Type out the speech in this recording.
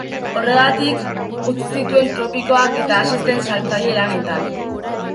Horregatik utzi zituen tropikoak eta hasi zen saltzaile lanetan?